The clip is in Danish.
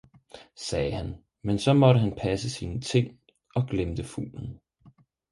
sagde han, men så måtte han passe sine ting og glemte fuglen.